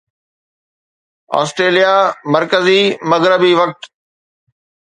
Australia مرڪزي مغربي وقت